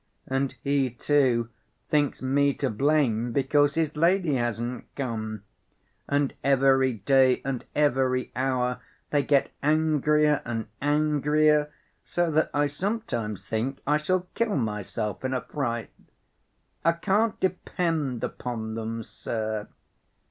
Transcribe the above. And he, too, thinks me to blame because his lady hasn't come. And every day and every hour they get angrier and angrier, so that I sometimes think I shall kill myself in a fright. I can't depend upon them, sir."